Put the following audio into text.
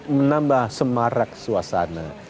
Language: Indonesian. dan menambah semarak suasana